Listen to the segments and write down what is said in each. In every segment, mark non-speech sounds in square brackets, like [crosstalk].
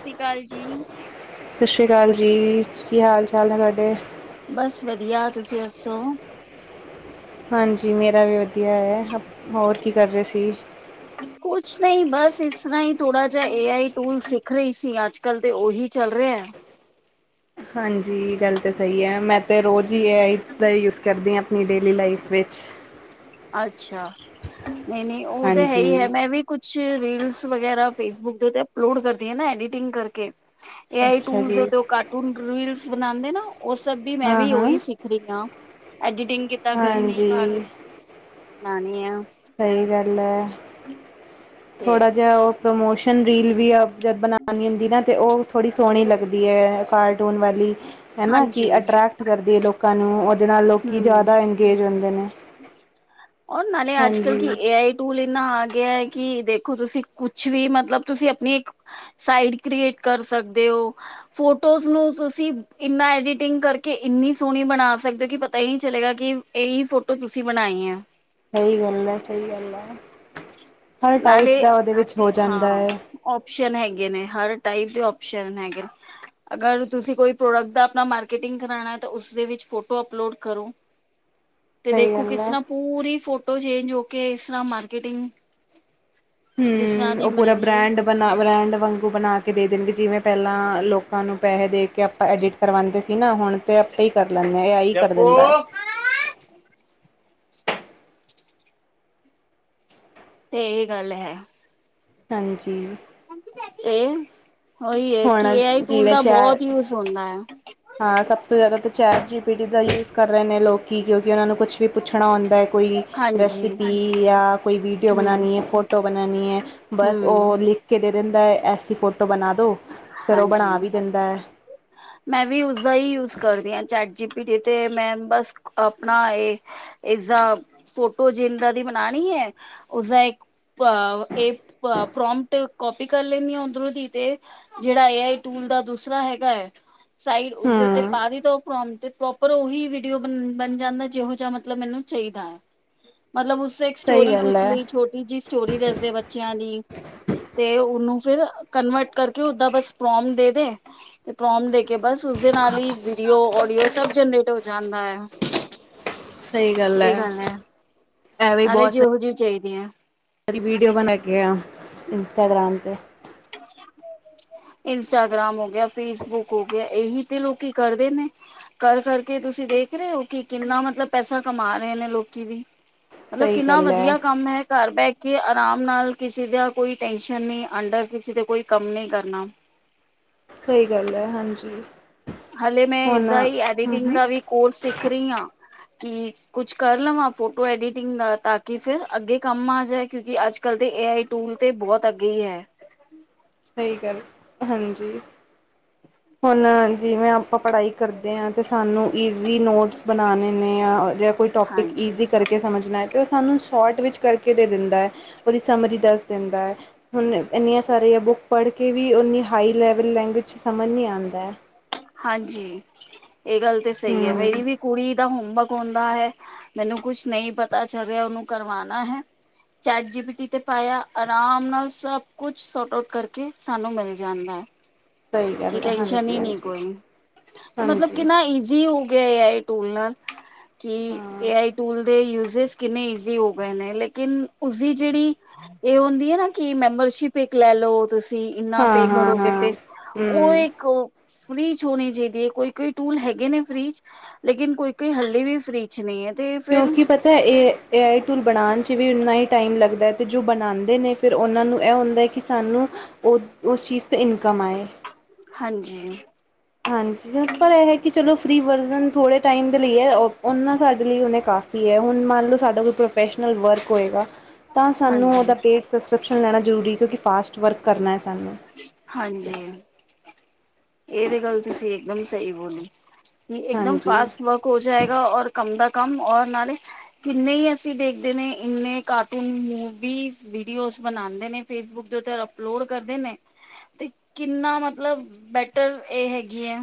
ਸਤਿ ਸ਼੍ਰੀ ਅਕਾਲ ਜੀ। ਸਤਿ ਸ਼੍ਰੀ ਅਕਾਲ ਜੀ, ਕੀ ਹਾਲ ਚਾਲ ਹੈ ਤੁਹਾਡੇ? ਬਸ ਵਧੀਆ ਤੁਸੀਂ ਦੱਸੋ? ਹਾਂਜੀ ਮੇਰਾ ਵੀ ਵਧੀਆ ਹੈ, ਹੋਰ ਕੀ ਕਰ ਰਹੇ ਸੀ? ਕੁਛ ਨਹੀਂ ਬਸ ਇਸ ਤਰ੍ਹਾਂ ਹੀ ਥੋੜਾ ਜਿਹਾ ਏ ਆਈ ਟੂਲ ਸਿੱਖ ਰਹੀ ਸੀ ਅੱਜ ਕਲ ਤੇ ਉਹੀ ਚੱਲ ਰਿਹਾ। ਹਾਂਜੀ ਗੱਲ ਤਾਂ ਸਹੀ ਹੈ ਮੈਂ ਤਾਂ ਰੋਜ਼ ਹੀ ਏ ਆਈ ਦਾ ਯੂਜ ਕਰਦੀ ਹਾਂ। ਆਪਣੀ ਡੇਲੀ ਲਾਈਫ ਵਿੱਚ ਅੱਛਾ, ਨਹੀਂ ਨਹੀਂ ਉਹ ਤਾਂ ਹੈ ਹੀ ਹਾਂਜੀ ਹੈ ਮੈਂ ਵੀ ਕੁਛ ਰੀਲਸ ਵਗੈਰਾ ਫੇਸਬੁੱਕ ਦੇ ਅਪਲੋਡ ਕਰਦੀ ਹੈ ਨਾ ਐਡੀਟਿੰਗ ਕਰਕੇ। ਏ ਆਈ ਅੱਛਾ ਟੂਲਜ ਜੀ ਕਾਰਟੂਨ ਰੀਲਸ ਬਣਾਉਂਦੇ ਨਾ ਉਹ ਸਭ ਵੀ ਮੈਂ ਹਾਂ ਵੀ ਹਾਂ ਉਹੀ ਸਿੱਖ ਰਹੀ ਹਾਂ ਐਡੀਟਿੰਗ ਕਿੱਦਾਂ ਕਰਨੀ। ਹਾਂਜੀ ਕਾਰਟੂਨ ਬਨਾਉਣੇ ਆ। ਸਹੀ ਗੱਲ ਹੈ। ਹਮ ਥੋੜਾ ਜਿਹਾ ਉਹ ਪ੍ਰਮੋਸ਼ਨ ਰੀਲ ਵੀ ਜ ਬਣਾਣੀ ਹੁੰਦੀ ਨਾ ਤੇ ਉਹ ਥੋੜ੍ਹੀ ਸੋਹਣੀ ਲੱਗਦੀ ਹੈ ਕਾਰਟੂਨ ਵਾਲੀ ਹੈ ਨਾ ਕਿ ਹਾਂਜੀ ਅਟਰੈਕਟ ਕਰਦੀ ਹੈ ਲੋਕਾਂ ਨੂੰ ਉਹਦੇ ਨਾਲ ਲੋਕ ਹਮ ਜ਼ਿਆਦਾ ਇੰਗੇਜ ਹੁੰਦੇ ਨੇ। ਔਰ ਨਾਲੇ ਅੱਜ ਕੱਲ ਕੀ ਹਾਂਜੀ ਏ ਆਈ ਟੂਲ ਇੰਨਾ ਆ ਗਿਆ ਹੈ ਕਿ ਦੇਖੋ ਤੁਸੀਂ ਕੁਛ ਵੀ ਮਤਲਬ ਤੁਸੀਂ ਆਪਣੀ ਇੱਕ ਸਾਈਟ ਕ੍ਰੀਏਟ ਕਰ ਸਕਦੇ ਹੋ। ਫੋਟੋਜ਼ ਨੂੰ ਤੁਸੀਂ ਇਨਾ ਐਡੀਟਿੰਗ ਕਰਕੇ ਇੰਨੀ ਸੋਹਣੀ ਬਣਾ ਸਕਦੇ ਹੋ ਕਿ ਪਤਾ ਹੀ ਨਹੀਂ ਚਲੇਗਾ ਕਿ ਇਹੀ ਫੋਟੋ ਤੁਸੀਂ ਬਣਾਈ ਆ। ਸਹੀ ਗੱਲ ਹੈ, ਸਹੀ ਗੱਲ ਹੈ, ਹਰ ਟਾਈਪ ਨਾਲੇ ਦਾ ਉਹਦੇ ਵਿੱਚ ਹੋ ਜਾਂਦਾ ਹਾਂ ਹੈ। ਓਪਸ਼ਨ ਹੈਗੇ ਨੇ, ਹਰ ਟਾਈਪ ਦੇ ਓਪਸ਼ਨ ਹੈਗੇ ਨੇ। ਅਗਰ ਤੁਸੀਂ ਕੋਈ ਪ੍ਰੋਡਕਟ ਦਾ ਆਪਣਾ ਮਾਰਕੀਟਿੰਗ ਕਰਾਣਾ ਹੈ ਤਾਂ ਉਸਦੇ ਵਿੱਚ ਫੋਟੋ ਅਪਲੋਡ ਕਰੋ। [inaudible] ਤੇ ਦੇਖੋ ਗੱਲ ਕਿਸ ਹੈ। ਤਰ੍ਹਾਂ ਪੂਰੀ ਫੋਟੋ ਚੇਂਜ ਹੋ ਕੇ ਇਸ ਤਰ੍ਹਾਂ ਮਾਰਕੀਟਿੰਗ ਜਿਸ ਤਰ੍ਹਾਂ ਹੂੰ ਦੀ ਓ ਪੂਰਾ ਮਿਲਦੀ ਹੈ ਬ੍ਰੈਂਡ ਬਣਾ ਬ੍ਰੈਂਡ ਵਾਂਗੂ ਬਣਾ ਕੇ ਦੇ ਦੇਣਗੇ ਜਿਵੇਂ ਪੈਲਾਂ ਲੋ ਕਾਂ ਨੂੰ ਪੈਹੇ ਦੇ ਕੇ ਆਪਾਂ ਐਡਿਟ ਕਰਵਾਂਦੇ ਸੀ ਨਾ ਹੁਣ ਤੇ ਆਪੇ ਈ ਕਰ ਲੈਨੇ ਆ ਏ ਆਈ ਕਰ ਜੱਪੂ ਦਿੰਦੈ। ਤੇ ਏਈ ਗੱਲ ਐ। ਹਾਂਜੀ। ਏ ਓਈ ਐ ਕਿ ਹੁਣ ਏ ਆਈ ਟੂਲ ਜਿਵੇਂ ਦਾ ਚੈ ਬੋਹਤ ਯੂਜ ਹੁੰਦਾ ਐ। ਹਾਂ ਸਬ ਤੋਂ ਜੈਦਾ ਤਾਂ ਚੈਟ ਜੀ ਪੀ ਟੀ ਦਾ ਯੂਜ਼ ਕਰ ਰਏ ਨੇ ਲੋਕੀ ਕਿਉਂਕਿ ਓਨਾਂ ਨੂੰ ਕੁਛ ਵੀ ਪੁੱਛਣਾ ਹੁੰਦਾ ਐ ਕੋਈ ਹਾਂਜੀ ਰੈਸਿਪੀ ਯਾਂ ਕੋਈ ਵੀਡੀਓ ਹਮ ਬਨਾਨੀ ਏ, ਫੋਟੋ ਬਨਾਨੀ ਏ ਬਸ ਹਮ ਓ ਲਿ ਖ ਕੇ ਦੇ ਦੇਂਦਾ ਐਸੀ ਫੋਟੋ ਬਨਾ ਦੋ ਫਿਰ ਉਹ ਹਾਂਜੀ। ਬਣਾ ਵੀ ਦਿੰਦਾ [inaudible] ਮੈਂ ਵੀ ਉਸਦਾ ਈ ਯੂਜ ਕਰਦੀ ਆ ਚੈਟ ਜੀ ਪੀ ਡੀ ਤੇ ਮੈਂ ਬਸ ਆਪਣਾ ਏ ਇਸਦਾ ਫੋਟੋ ਜਿੰਦਾ ਦੀ ਬਨਾਨੀ ਏ ਉਸਦਾ ਇੱਕ ਪ ਏ ਪ ਪਰੋਮਪਟ ਕੋਪੀ ਕਰ ਲੈਨੀ ਆ ਓਦਰੋਂ ਦੀ ਤੇ ਜੇੜਾ ਏ ਆਈ ਟੂਲ ਦਾ ਦੂਸਰਾ ਹੈਗਾ ਐ ਸਾਈਡ ਉਸਦੇ ਉਤੇ ਹਮ ਪਾਵੀ ਦੋ। ਪਰੋਮਪ ਤੇ ਪ੍ਰੋਪਰ ਓਹੀ ਵੀਡੀਓ ਬਨ ਬਨ ਜਾਂਦਾ ਜੇਹੋ ਦਾ ਮਤਲਬ ਮੈਨੂੰ ਚਾਈਦਾ ਐ। ਮਤਲਬ ਉਸ ਸੇ ਇੱਕ ਸਹੀ ਸਟੋਰੀ ਗੱਲ ਪੁੱਛ ਹੈ ਲਈ ਛੋ ਟੀ ਜੀ ਸਟੋਰੀ ਦੱਸਦੇ ਬੱਚਿਆਂ ਦੀ ਤੇ ਓਨੂੰ ਫਿਰ ਕਨਵਰਟ ਕਰ ਕਿ ਓਦਾਂ ਬਸ ਪ੍ਰੋਮ ਦੇਦੇ ਤੇ ਪ੍ਰੋਮ ਦੇ ਕੇ ਬਸ ਉਸਦੇ ਨਾਲ ਈ ਵੀਡੀਓ, ਆਓਡੀਓ ਸਬ ਜਨਰੇਟ ਹੋ ਜਾਂਦਾ ਐ। ਸਈ ਗੱਲ ਐ। ਅਰੇ ਜੇ ਹੋ ਜੀ ਚਾਈਦੀ ਐ। ਕਦੀ ਵੀਡੀਓ ਬਣਾ ਕੇ ਆ ਇੰਸਟਾਗ੍ਰਾਮ ਤੇ [inaudible] ਇੰਸਟਾਗ੍ਰਾਮ ਹੋ ਗਿਆ ਫੇਸਬੁੱਕ ਹੋ ਗਿਆ ਏਹੀ ਤੇ ਲੋਕੀ ਕਰਦੇ ਨੇ। ਕਰ ਕਰਕੇ ਤੁਸੀਂ ਦੇਖ ਰੇ ਓ ਕਿ ਕਿੰਨਾ ਮਤਲਬ ਪੈਸਾ ਕਮਾ ਰੇ ਨੇ ਲੋਕੀ ਵੀ। ਮਤਲਬ ਸਹੀ ਕਿੰਨਾ ਗੱਲ ਹੈ ਵਦੀਆਂ ਕੰਮ ਐ ਘਰ ਬੈ ਕੇ ਆਰਾਮ ਨਾਲ ਕਿਸੇ ਦਾ ਕੋਈ ਟੈਨਸ਼ਨ ਨੀ ਅੰਡਰ ਕਿਸੇ ਤੇ ਕੋਈ ਕੰਮ ਨੀ ਕਰਨਾ। ਸਈ ਗੱਲ ਐ ਹਾਂਜੀ। ਹਲੇ ਮੈਂ ਹੁਣ ਏਦਾਂ ਈ ਹਮ ਐਡੀਟਿੰਗ ਹਮ ਦਾ ਵੀ ਕੋਰਸ ਸਿੱਖ ਰੀ ਆ ਕਿ ਕੁਛ ਕਰ ਲਵਾਂ ਫੋਟੋ ਐਡੀਟਿੰਗ ਦਾ ਤਾਂ ਕਿ ਫਿਰ ਅੱਗੇ ਕੰਮ ਆ ਜਾਏ ਕਿਉਂਕਿ ਆੱਜ ਕੱਲ੍ਹ ਦੇ ਏ ਆਈ ਟੂਲ ਤੇ ਬੋਤ ਅੱਗੇ ਈ ਐ। ਸਈ ਗੱਲ ਹਾਂਜੀ। ਹੁਣ ਜਿਵੇਂ ਆਪਾਂ ਪੜ੍ਹਾਈ ਕਰਦੇ ਆ ਤੇ ਸਾਨੂੰ ਈਜ਼ੀ ਨੋਟਸ ਬਨਾਨੇ ਨੇ ਅ ਯਾਂ ਯਾ ਕੋਈ ਟੋਪਿਕ ਹਾਂਜੀ। ਈਜ਼ੀ ਕਰਕੇ ਸਮਝਨਾ ਐ ਤੇ ਓ ਸਾਨੂੰ ਸ਼ੋਟ ਵਿੱਚ ਕਰਕੇ ਦੇ ਦਿੰਦਾ ਐ। ਓਦੀ ਸਮਰ ਈ ਦੱਸ ਦਿੰਦਾ ਐ ਹੁਣ ਐਨੀਆਂ ਸਾਰੀਆਂ ਬੁੱਕ ਪੜ੍ਹ ਕੇ ਵੀ ਓਨੀ ਹਾਈ ਲੈਵਲ ਲੈਂਗੁਏਜ ਚ ਸਮਝ ਨੀ ਆਂਦਾ ਐ। ਹਾਂਜੀ ਏ ਗੱਲ ਤੇ ਸਈ ਐ ਹਮ ਵੈਹੇ ਵੀ- ਕੁੜੀ ਦਾ ਹੋਮਵਰਕ ਹੁੰਦਾ ਹੈ ਮੈਨੂੰ ਕੁਛ ਨਈ ਪਤਾ ਚੱਲ ਰਿਆ ਓਨੂੰ ਕਰਵਾਣਾ ਹੈ। ਚੈਟ ਜੀ ਬੀ ਟੀ ਤੇ ਪਾਇਆ ਆਰਾਮ ਨਾਲ ਸਬ ਕੁਛ ਸੋਟ ਆਊਟ ਕਰਕੇ ਸਾਨੂੰ ਮਿਲ ਜਾਂਦਾ ਐ। ਸਹੀ ਕਿ ਗੱਲ ਹੈ ਟੈਨਸ਼ਨ ਹਾਂਜੀ ਈ ਨੀ ਹਾਂਜੀ ਕੋਈ ਤੇ ਮਤਲਬ ਹਾਂਜੀ ਕਿੰਨਾ ਈਜ਼ੀ ਹੋ ਗਿਆ ਐ ਟੂਲ ਨਾਲ ਕਿ ਹਾਂ ਏ ਆਈ ਟੂਲ ਦੇ ਯੂਜੇਜ਼ ਕਿੰਨੇ ਈਜ਼ੀ ਹੋ ਗਏ ਨੇ ਲੇਕਿਨ ਉਸਦੀ ਜੇੜੀ ਏ ਹੁੰਦੀ ਏ ਨਾ ਕਿ ਮੈਂਬਰਸ਼ਿਪ ਇੱਕ ਲੈ ਲਓ ਤੁਸੀਂ ਇੰਨਾ ਪੇ ਹਾਂ ਹਾਂ ਕਰੋਗੇ ਹਾਂ ਤੇ ਓ ਹਮ ਏਖੋ। ਫਰੀ ਚ ਹੋਣੀ ਚਾਈਦੀ ਏ ਕੋਈ ਕੋਈ ਟੂਲ ਹੈਗੇ ਨੇ ਫਰੀ ਚ ਲੇਕਿਨ ਕੋਈ ਕੋਈ ਹਲੇ ਵੀ ਫਰੀ ਕੁੱਛ ਨਈ ਐ ਤੇ ਫੇਰ। ਤਾਂ ਏ ਏ ਆਈ ਟੂਲ ਬਣਾਉਣ 'ਚ ਵੀ ਉਨ੍ਹਾਂ ਹੀ ਟਾਈਮ ਲੱਗਦੈ ਤੇ ਜੋ ਬਣਾਉਂਦੇ ਨੇ ਫਿਰ ਓਨਾਂ ਨੂੰ ਐ ਹੁੰਦਾ ਕਿ ਸਾਨੂੰ ਓ ਉਸ ਚੀਜ਼ ਤੇ ਇਨਕਮ ਆਏ। ਹਾਂਜੀ। ਹਾਂਜੀ ਪਰ ਏ ਹੈ ਕਿ ਚਲੋ ਫਰੀ ਵਰਜਨ ਥੋੜ੍ਹੇ ਟਾਈਮ ਦੇ ਲਈ ਐ ਓਨਾਂ ਸਾਡੇ ਲਈ ਓਨੇ ਕਾਫੀ ਹੁਣ ਮੰਨ ਲਓ ਸਾਡਾ ਕੋਈ ਪ੍ਰੋਫੈਸ਼ਨਲ ਵਰਕ ਹੋਏਗਾ ਤਾਂ ਸਾਨੂੰ ਹਾਂਜੀ ਓਦਾ ਪੇਟ ਸਸ [unintelligible] ਟ੍ਰੈਕੋਸ਼ਨ ਲੈਣਾ ਜਰੂਰੀ ਕਿਉਂਕਿ ਫਾਸਟ ਵਰਕ ਕਰਨਾ ਸਾਨੂੰ। ਹਾਂਜੀ ਏ ਤੇ ਗੱਲ ਤੁਸੀ ਏਕਦਮ ਸਈ ਬੋਲੀ। ਨੀ ਏਕਦਮ ਹਾਂਜੀ ਫਾਸਟ ਵਰਕ ਹੋ ਜਾਏਗਾ ਔਰ ਕਮ ਦਾ ਕਮ ਔਰ ਨਾਲੇ। ਕਿੰਨੇ ਈ ਅਸੀਂ ਦੇਖਦੇ ਨੇ ਇੰਨੇ ਕਾਰਟੂਨ ਮੂਵੀਜ ਵੀਡੀਓਜ਼ ਬਣਾਂਦੇ ਨੇ। ਫੇਸਬੁੱਕ ਦੇ ਉੱਤੇ ਅਪਲੋਡ ਕਰਦੇ ਨੇ ਤੇ ਕਿੰਨਾ ਮਤਲਬ ਬੈਟਰ ਏ ਹੇਗੀ ਐ।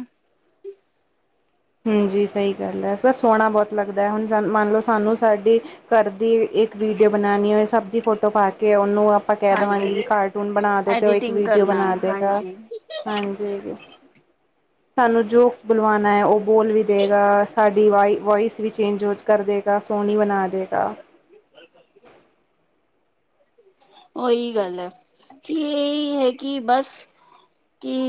ਹਾਂਜੀ ਸਈ ਗੱਲ ਐ ਬਸ ਸੋਣਾ ਬਹੁਤ ਲੱਗਦਾ ਹੈ ਹੁਣ ਮੰਨ ਲਓ ਸਾਨੂੰ ਸਾਡੀ ਘਰ ਦੀ ਇੱਕ ਵੀਡੀਓ ਬਣਾਉਣੀ ਹੋਏ ਸਭ ਦੀ ਫੋਟੋ ਪਾ ਕੇ ਓਨੂੰ ਆਪਾਂ ਕੈ ਹਾਂਜੀ ਦੇਵਾਂਗੇ ਕਾਰਟੂਨ ਬਣਾ ਦੋ ਤੇ ਓ ਇੱਕ ਵੀਡੀਓ ਬਣਾ ਦੇਗਾ। ਹੂੰ। [inaudible] ਹਾਂਜੀ, ਤਾਨੂੰ ਜੋ ਬੁਲਵਾਨਾ ਐ ਓ ਬੋਲ ਵੀ ਦੇਗਾ ਸਾਡੀ ਵਾਈ ਵੋਇਸ ਵੀ ਚੇਂਜ ਓਚ ਕਰ ਦੇਗਾ ਸੋਣੀ ਬਣਾ ਦੇਗਾ। ਹੂੰ। [inaudible] ਓਈ ਗੱਲ ਐ ਕੀ ਇਹੀ ਹੈ ਕਿ ਬਸ ਕੀ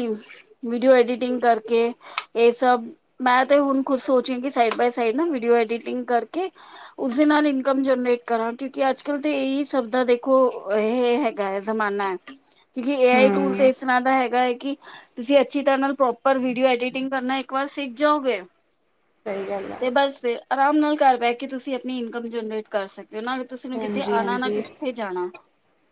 ਵੀਡੀਓ ਐਡੀਟਿੰਗ ਕਰਕੇ ਏ ਸਭ। ਮੈਂ ਤੇ ਹੁਣ ਖੁਦ ਸੋਚ ਰੀ ਆਂ ਕਿ ਸਾਈਡ ਬਾਏ ਸਾਈਡ ਨਾ ਵੀਡੀਓ ਐਡੀਟਿੰਗ ਕਰਕੇ ਉਸਦੇ ਨਾਲ ਇਨਕਮ ਜਨਰੇਟ ਕਰਾਂ ਕਿਉਂਕਿ ਅੱਜ ਕੱਲ ਤੇ ਏਈ ਸਭ ਦਾ ਦੇਖ ਦੇਖੋ ਹੇ ਹੈਗਾ ਹੈ ਜ਼ਮਾਨਾ ਕਿਉਂਕਿ ਏ ਆਈ ਟੂਲ ਤੇ ਹਮ ਇਸ ਰ੍ਹਾ ਦਾ ਹੈਗਾ ਐ ਕਿ ਤੁਸੀ ਅੱਛੀ ਤਰ੍ਹਾਂ ਨਾਲ ਪ੍ਰੋਪਰ ਵੀਡੀਓ ਐਡੀਟਿੰਗ ਕਰਨਾ ਇੱਕ ਵਾਰ ਸਿੱਖ ਜਾਓਗੇ? ਸਹੀ ਗੱਲ ਹੈ ਤੇ ਬਸ ਫਿਰ ਅਰਾਮ ਨਾਲ ਘਰ ਬਹਿ ਕੇ ਤੁਸੀਂ ਆਪਣੀ ਇਨਕਮ ਜਨਰੇਟ ਕਰ ਸਕਦੇ ਓ ਨਾਲ ਤੁਸੀਂ ਨੂੰ ਕਿੱਤੇ ਆਉਣਾ ਨਾ ਕਿੱਥੇ ਜਾਣਾ।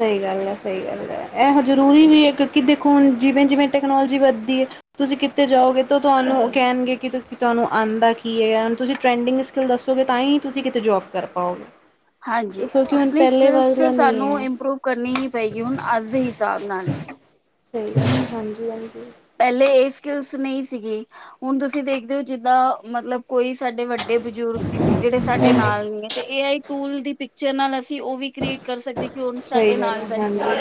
ਸਈ ਗੱਲ ਐ, ਸਈ ਗੱਲ ਐ ਇਹੋ ਜ਼ਰੂਰੀ ਵੀ ਏ ਕਿਉਂਕਿ ਦੇਖੋ ਹੁਣ ਜਿਵੇਂ ਜਿਵੇਂ ਟੈਕਨੋਲੋਜੀ ਵੱਧਦੀ ਏ ਤੁਸੀਂ ਕਿੱਤੇ ਜਾਓਗੇ ਤੋ ਤੁਆਨੂੰ ਓ ਕਹਿਣਗੇ ਕਿ ਕੀ ਤਾਨੂੰ ਆਂਦਾ ਕੀ ਹੈਗਾ ਹੁਣ ਤੁਸੀਂ ਟਰੈਂਡਿੰਗ ਸਕਿੱਲ ਦੱਸੋਗੇ ਤਾਂ ਈ ਤੁਸੀਂ ਕਿਤੇ ਜੋਬ ਕਰ ਪਾਓਗੇ। ਹਾਂਜੀ, ਕਿਉਂਕਿ ਹੁਣ ਆਪਣੀ ਪਹਿਲੇ ਸਕਿਲਸ ਵਰਗਾ ਨਹੀਂ ਸਾਨੂੰ ਹੈ। ਇੰਪਰੂਵ ਕਰਨੀ ਹੀ ਪਏਗੀ ਹੁਣ ਅੱਜ ਦੇ ਹਿਸਾਬ ਨਾਲ। ਸਈ [inaudible] ਹਾਂਜੀ, ਹਾਂਜੀ। ਪਹਿਲੇ ਏ ਸਕਿੱਲਸ ਨਈ ਸੀਗੀ। ਹੁਣ ਤੁਸੀਂ ਦੇਖਦੇ ਓ ਜਿੱਦਾਂ ਮਤਲਬ ਕੋਈ ਸਾਡੇ ਵੱਡੇ ਬਜ਼ੁਰਗ ਜੇੜੇ ਸਾਡੇ ਨਾਲ ਨੀ ਐ ਤੇ ਏ ਆਈ ਟੂਲ ਦੀ ਪਿੱਚਰ ਨਾਲ ਅਸੀਂ ਓ ਵੀ ਕ੍ਰੀਏਟ ਕਰ ਸਕਦੇ। ਕਿ ਹੁਣ ਸਈ ਸਾਡੇ ਗੱਲ ਆ ਨਾਲ ਹਾਂਜੀ, ਬੈਠੇ ਨੇ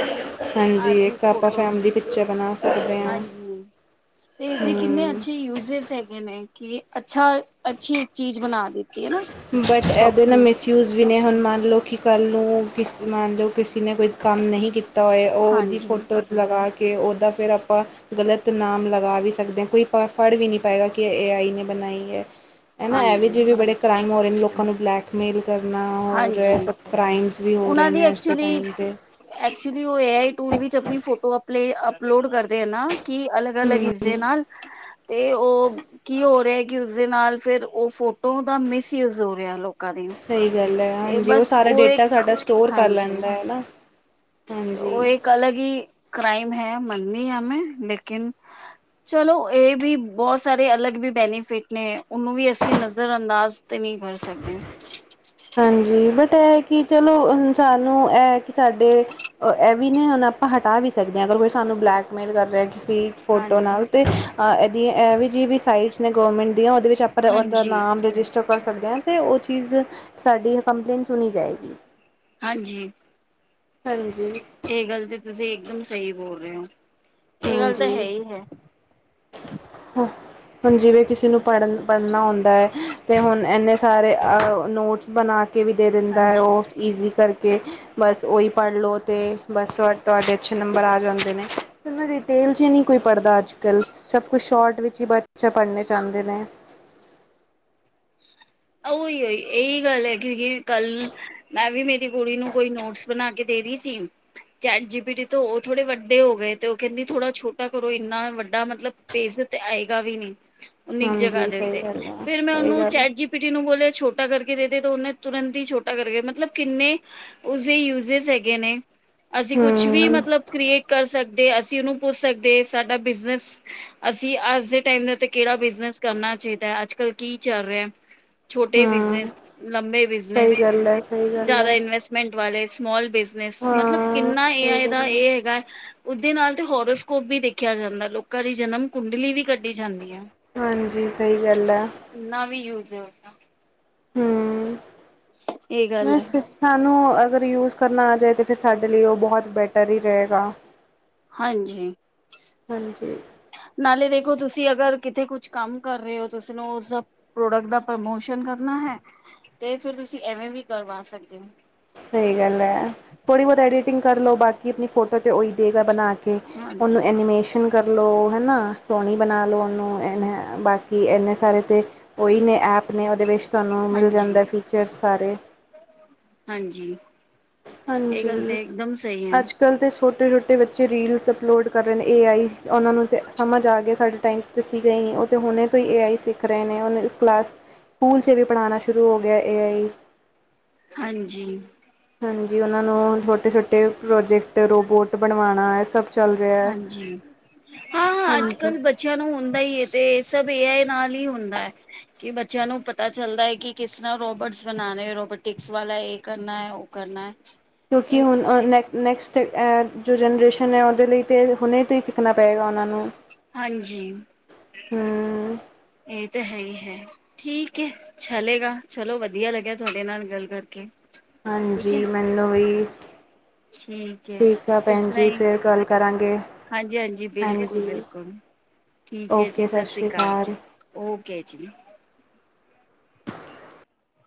ਹਾਂਜੀ ਅੱਜ ਦੀ ਏਕ ਆਪਾਂ ਫੋਟੋ ਚ ਫੈਮਲੀ ਪਿੱਚਰ ਬਣਾ ਸਕਦੇ ਆਂ। ਹਾਂਜੀ ਹਾਂ। [inaudible] ਤੇ ਇਸਦੇ ਕਿੰਨੇ ਅੱਛੇ ਯੂਜਸ ਹੈਗੇ ਨੇ ਕਿ ਅੱਛਾ ਅੱਛੀ ਏਕ ਚੀਜ਼ ਬਣਾ ਦਿੱਤੀ ਐ ਨਾ। ਬਟ ਏਦੇ ਨਾ ਸੌਖੀ ਮਿਸ ਯੂਸ ਵੀ ਨੇ ਹੁਣ ਮੰਨ ਲੋ ਕਿ ਕੱਲ੍ਹ ਨੂੰ ਕਿਸ ਮੰਨ ਲੋ ਕਿਸੇ ਨੇ ਕੋਈ ਕੰਮ ਨਹੀਂ ਕੀਤ ਕੀਤਾ ਹੋਇਆ ਓ ਓਦੀ ਹਾਂਜੀ ਫੋਟੋ ਲਗਾ ਕੇ ਓਦਾ ਫਿਰ ਆਪਾਂ ਗ਼ਲਤ ਨਾਮ ਲਗਾ ਵੀ ਸਕਦੇ ਆਂ ਕੋਈ ਪਾ ਫੜ ਵੀ ਨਹੀਂ ਪਾਏਗਾ ਕਿ ਐ ਏ ਆਈ ਨੇ ਬਣਾਈ ਐ। ਐ ਨਾ ਐਵੀ ਹਾਂਜੀ ਜਿਵੇਂ ਬੜੇ ਕ੍ਰਾਈਮ ਹੋ ਰੇ ਨੇ ਲੋਕਾਂ ਨੂੰ ਬਲੈਕਮੇਲ ਕਰਨਾ ਹੋ ਰਿਹਾ [inaudible] ਹਾਂਜੀ ਸਭ ਕ੍ਰਾਈਮਸ ਵੀ ਹੋ ਰਹੇ ਉਹਨਾਂ ਦੀ ਨੇ ਅੱਜ ਦੇ ਐਕਚੁਲੀ ਟਾਈਮ 'ਤੇ। ਐਕਚੁਲੀ, ਉਹਏ ਆਈ ਟੂਲ ਵਿਚ ਆਪਣੀ ਫੋਟੋ ਅਪਲੇ ਅਪਲੋਡ ਕਰਦੇ ਆ ਨਾ ਕਿ ਅਲਗ- ਅਲਗ। ਹੂੰ ਜੇ ਨਾਲ, ਤੇ ਉਹ ਕੀ ਹੋ ਰਿਹਾ ਕਿ ਉਸਦੇ ਨਾਲ ਫਿਰ, ਉਹ ਫੋਟੋ ਦਾ ਮਿਸਯੂਜ ਹੋ ਰਿਹਾ ਲੋਕਾਂ ਦੀ। ਸਹੀ ਗੱਲ ਹੈ, ਤੇ ਹਾਂਜੀ! ਉਹ ਬਸ ਸਾਰਾ ਡੇਟਾ ਇੱਕ ਸਾਡਾ ਸਟੋਰ ਕਰ ਹਾਂਜੀ ਲੈਂਦਾ ਹੈ ਨਾ। ਤੇ ਉਹ ਹਾਂਜੀ ਇਹ ਗੱਲ ਹੈ ਕਿ, ਕ੍ਰਾਈਮ ਹੈ ਮੰਨਦੀ ਹਾਂ ਮੈਂ, ਲੇਕਿਨ ਚਲੋ ਇਹ ਵੀ ਬਹੁਤ ਸਾਰੇ ਅਲੱਗ ਵੀ ਬੈਨੀਫਿਟ ਨੇ। ਉਹਨੂੰ ਵੀ ਅਸੀਂ ਨਜ਼ਰ ਅੰਦਾਜ਼ ਤੇ ਨਹੀਂ ਕਰ ਸਕਦੇ। ਹਾਂਜੀ! ਬਟ ਇਹ ਕਿ ਚਲੋ ਸਾਨੂੰ ਇਹ ਕਿ ਸਾਡੇ। ਇਹ ਵੀ ਨਹੀਂ ਹੁਣ ਆਪਾਂ ਹਟਾ ਵੀ ਸਕਦੇ ਹਾਂ ਅਗਰ ਕੋਈ ਸਾਨੂੰ ਬਲੈਕਮੇਲ ਕਰ ਰਿਹਾ ਕਿਸੀ ਫੋਟੋ ਹਾਂਜੀ ਨਾਲ ਤੇ। ਆਹ ਇਹਦੀਆਂ ਇਹ ਵੀ ਜਿਹੀ ਵੀ ਸਾਈਟਸ ਨੇ ਗੌਰਮੈਂਟ ਦੀਆਂ ਉਹਦੇ ਵਿੱਚ ਆਪਾਂ [inaudible] ਬੰਦੇ ਦਾ ਹਾਂਜੀ ਨਾਮ ਰਜਿਸਟਰ। ਵਿੱਚੋਂ ਕਰ ਸਕਦੇ ਹਾਂ ਤੇ ਉਹ ਚੀਜ਼, ਸਾਡੀ ਕੰਪਲੇਂਨ ਸੁਣੀ ਜਾਏਗੀ। ਹਾਂਜੀ! ਹਾਂਜੀ! ਇਹ ਗੱਲ ਤਾਂ ਤੁਸੀਂ ਇਕਦਮ ਸਹੀ ਬੋਲ ਰਹੇ ਹੋ। ਇਹ ਗੱਲ ਤਾਂ ਹੈ ਹਾਂਜੀ ਹੀ ਹੈ। ਹਾਂ। [inaudible] ਹੁਣ ਜਿਵੇਂ ਕਿਸੇ ਨੂੰ ਪੜ੍ਹਨ ਪੜ੍ਹਨਾ ਆਉਂਦਾ ਹੈ ਤੇ ਹੁਣ ਇੰਨੇ ਸਾਰੇ ਨੋਟਸ ਬਣਾ। ਕੇ ਵੀ ਦੇ ਦਿੰਦਾ ਹੈ। ਹਾਂਜੀ ਉਹ ਈਜ਼ੀ ਕਰਕੇ। ਬਸ ਉਹੀ ਪੜ੍ਹ ਲਉ ਤੇ ਬਸ ਤੁਹਾਡੇ ਅੱਛੇ ਨੰਬਰ ਆ ਜਾਂਦੇ ਨੇ। ਇੰਨਾ ਡਿਟੇਲ ਚ ਈ ਨਹੀਂ ਕੋਈ ਪੜ੍ਹਦਾ ਅੱਜ ਕੱਲ੍ਹ। ਸਭ ਕੁਛ ਸ਼ੋਟ ਵਿੱਚ ਹੀ [inaudible] ਬੱਚਾ ਪੜ੍ਹਨਾ ਚਾਹੁੰਦੇ ਨੇ। ਉਹੀ ਉਹੀ ਇਹੀ ਗੱਲ ਹੈ। ਕਿਉਂਕਿ ਕੱਲ੍ਹ ਮੈਂ ਵੀ ਮੇਰੀ ਕੁੜੀ ਨੂੰ ਕੋਈ ਨੋਟਸ ਬਣਾ ਕੇ ਦੇ ਰਹੀ ਸੀ। ਚੈਟ ਜੀਬੀ ਟੀ ਤੋ, ਉਹ ਥੋੜੇ ਵੱਡੇ ਹੋ ਗਏ, ਤੇ ਉਹ ਕਹਿੰਦੀ ਥੋੜਾ ਛੋਟਾ ਕਰੋ, ਇੰਨਾ ਵੱਡਾ ਮਤਲਬ ਪੇਜ਼ ਚ ਤੇ ਆਏਗਾ ਵੀ ਨਹੀਂ। ਹ [inaudible] ਈਨੀ ਕੀ ਜਗ੍ਹਾ ਦੇ ਉੱਤੇ, ਫੇਰ ਮੈਂ ਉਹਨੂੰ ਗੱਲ ਹੈ ਚੈਟ ਜੀ ਪਿਟੀ ਨੂੰ ਬੋਲਿਆ ਛੋਟਾ ਕਰਕੇ ਦੇ ਦੇ ਤੇ ਉਹਨੇ ਤੁਰੰਤ ਹੀ ਛੋਟਾ ਕਰਕੇ ਮਤਲਬ ਕਿੰਨੇ ਉਸਦੇ ਯੂਜ਼ੀਜ਼ ਹੈਗੇ ਨੇ, ਅਸੀਂ ਕੁਛ ਵੀ ਹਮ ਮਤਲਬ ਕ੍ਰੀਏਟ ਕਰ ਸਕ ਦੇ ਅਸੀਂ ਉਹਨੂੰ ਪੁੱਛ ਸਕਦੇ ਸਾਡਾ ਬਿਜਨਸ ਅਸੀਂ ਅੱਜ ਦੇ ਟਾਈਮ ਦੇ ਉੱਤੇ ਕਿਹੜਾ ਬਿਜਨਸ ਕਰਨਾ ਚਾਹੀਦਾ ਹੈ, ਅੱਜ ਕਲ੍ਹ ਕੀ ਚੱਲ ਰਿਹਾ। ਛੋਟੇ ਹਮ ਬਿਜਨਸ, ਲੰਬੇ ਸਹੀ ਬਿਜਨਸ। ਗੱਲ ਹੈ ਸਹੀ ਗੱਲ ਜ਼ਿਆਦਾ ਹੈ ਇਨਵੈਸਟਮੈਂਟ ਵਾਲੇ, ਸਮੋਲ ਬਿਜਨਸ, ਮਤਲਬ ਹਾਂ ਕਿੰਨਾ ਏ ਸਹੀ ਆਈ ਦਾ ਗੱਲ ਹੈ ਇਹ ਹੈਗਾ। ਓਦੇ ਨਾਲ ਤੇ ਹੋਰੋਸਕੋਪ ਵੀ ਦੇਖਿਆ ਜਾਂਦਾ, ਲੋਕਾਂ ਦੀ ਜਨਮ ਕੁੰਡਲੀ ਵੀ ਕੱਢੀ ਜਾਂਦੀ ਏ। ਹਾਂਜੀ! ਸਹੀ ਗੱਲ ੲੈ। ਕਿੰਨਾ ਵੀ ਯੂਜ ਏ ਉਸ ਦਾ। ਹੂੰ, ਇਹ ਗੱਲ ਹੈ ਬੱਸ ਸਾਨੂੰ ਅਗਰ ਯੂਜ਼ ਕਰਨਾ ਆ ਜਾਯੇ ਤੇ ਫਿਰ ਸਾਡੇ ਲਈ ਉਹ ਬਹੁਤ ਬੈਟਰ ਹੀ ਰਹੇਗਾ। ਹਾਂਜੀ! ਹਾਂਜੀ! ਨਾਲੇ ਦੇਖੋ ਤੁਸੀਂ ਅਗਰ ਕਿੱਥੇ ਕੁਛ ਕੰਮ ਕਰ ਰਹੇ ਹੋ ਤੁਸੀਂ ਨਾ ਉਹ ਸਭ ਪ੍ਰੋਡਕਟ ਦਾ ਪ੍ਰਮੋਸ਼ਨ ਕਰਨਾ ਹੈ, ਤੇ ਫਿਰ ਤੁਸੀਂ ਐਵੇਂ ਵੀ ਕਰਵਾ ਸਕਦੇ ਹੋ। ਸਹੀ ਗੱਲ ੲੈ, ਥੋੜ੍ਹੀ ਬਹੁਤ ਐਡੀਟਿੰਗ ਕਰ ਲਉ ਬਾਕੀ ਆਪਣੀ ਫੋਟੋ ਤੇ ਉਹੀ ਦੇਗਾ ਬਣਾ ਕੇ। ਉਹਨੂੰ ਹਾਂਜੀ ਐਨੀਮੇਸ਼ਨ ਕਰ ਲਉ ਹੇਨਾ, ਸੋਹਣੀ ਬਣਾ ਲਉ ਉਹਨੂੰ, ਬਾਕੀ ਕਿ ਇੰਨੇ ਸਾਰੇ ਤੇ, ਉਹੀ ਨੇ ਐਪ ਨੇ ਉਹਦੇ ਵਿੱਚ ਤੁਹਾਨੂੰ ਮਿਲ ਹਾਂਜੀ ਜਾਂਦਾ ਫੀਚਰਸ ਸਾਰੇ। ਹਾਂਜੀ ਇਹ ਗੱਲ ਤਾਂ ਹਾਂਜੀ ਇਕਦਮ ਸਹੀ ਹੈ ਅੱਜ ਕਲ ਦੇ ਛੋਟੇ ਛੋ ਟੇ ਬੱਚੇ ਰੀਲਸ ਅਪਲੋਡ ਕਰ ਰਹੇ ਨੇ ਏ ਆਈ ਉਹਨਾਂ ਨੂੰ ਤੇ ਸਮਝ ਆ ਗਿਆ ਸਾਡੇ ਟਾਈਮਸ ਤੇ ਸੀਂ ਗਈ, ਉਹ ਤਾਂ ਹੁਣੇ ਤੋਂ ਹੀ ਏ-ਆਈ ਸਿੱਖ ਰਹੇ ਨੇ ਉਹਨੂੰ ਕਲਾਸ ਸਕੂਲ ਚ ਵੀ ਪੜ੍ਹਾਣਾ ਸ਼ੁਰੂ ਹੋ ਗਿਆ ਏ ਆਈ। ਹਾਂਜੀ ਹਾਂਜੀ ਉਹਨਾਂ ਨੂੰ ਛੋਟੇ ਛੋਟੇ ਪ੍ਰੋਜੈਕਟ ਰੋਬੋਟ ਬਣਵਾਉਣਾ ਇਹ ਸਭ ਚੱਲ ਰਿਹਾ ਹੈ ਹਾਂਜੀ ਹਾਂ ਹਾਂ ਅੱਜ ਹਾਂਜੀ ਕੱਲ੍ਹ ਬ ਚਿਆਂ ਨੂੰ ਹੁੰਦਾ ਈ ਏ ਤੇ ਇਹ ਸਭ ਏ-ਆਇ ਨਾਲ ਹੀ ਹੁੰਦਾ ਐ। ਕਿ ਬੱਚਿਆਂ ਨੂੰ ਪਤਾ ਚੱਲਦਾ ਏ, ਕਿ ਕਿਸ ਤਰ੍ਹਾਂ ਰੋਬੋਟਸ ਬਣਾਨੇ ਏ, ਰੋਬੋਟਿਕਸ ਵਾਲਾ ਇਹ ਕਰਨਾ ਐ ਉਹ ਕਰਨਾ ਐ। ਕਿਉਂਕਿ ਹੁਣ ਅ ਨੈਕ-ਨੈਕਸਟ ੲੈ ਜੋ ਜਨਰੇਸ਼ਨ ਐ ਉਹਦੇ ਲਈ ਤਾਂ ਹੁਣੇ ਤੋਂ ਹੀ ਸਿੱਖਣਾ ਪਏਗਾ ਉਹਨਾਂ ਨੂੰ। ਹਾਂਜੀ, ਹਮ ਇਹ ਤੇ ਹੇ ਹੀ ਹੈ। ਠੀਕ ਐ, ਚਲੇਗਾ ਚਲੋ ਵਧੀਆ ਲੱਗਿਆ ਤੁਹਾਡੇ ਨਾਲ ਗੱਲ ਕਰਕੇ। ਠੀਕ ਹੈ ਹਾਂਜੀ, ਮੈਨੂ ਵੀ। ਠੀਕ ਐ। ਠੀਕ ਐ ਭੈਣ ਜੀ ਫੇਰ ਗੱਲ ਕਰਾਂਗੇ। ਹਾਂਜੀ-ਹਾਂਜੀ, ਬਿਲਕੁਲ ਹਾਂਜੀ ਬਿਲਕੁਲ, ਠੀਕ ਐ ਜੀ, ਸਤਿ ਸ੍ਰੀ ਅਕਾਲ। ਓਕੇ ਜੀ।